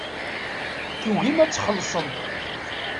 Tugim ad txellṣem.